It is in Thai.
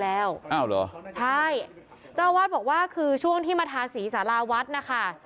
แล้วอ้าวเหรอใช่เจ้าวัดบอกว่าคือช่วงที่มาทาสีสาราวัดนะคะ